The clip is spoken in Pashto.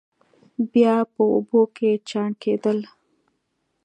بیا په اوبو کې چاڼ کېدل.